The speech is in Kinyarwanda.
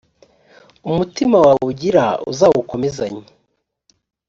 umutima wawe ugira uzawukomezanye